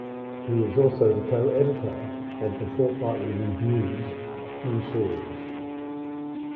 He is also co-editor of "The Fortnightly Review"'s new series.